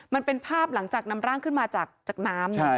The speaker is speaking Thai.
มันเป็นภาพหลังจากนำร่างขึ้นมาจากน้ำ